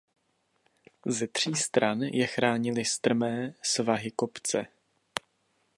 Ze tří stran je chránily strmé svahy kopce.